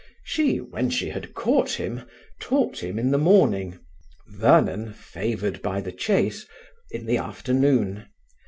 She, when she had caught him, taught him in the morning; Vernon, favoured by the chase, in the afternoon.